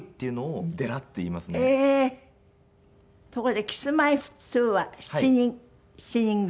ところでＫｉｓ−Ｍｙ−Ｆｔ２は７人７人組？